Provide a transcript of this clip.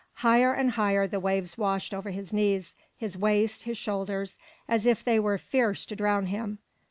Higher and higher the waves washed over his knees, his waist, his shoulders, as if they were fierce to drown him.